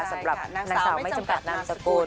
หน้าสาวไม่จำกัดนำสกุล